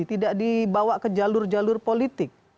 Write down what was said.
tidak dibawa ke jalur jalur politik